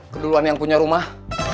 keduluan yang punya rumah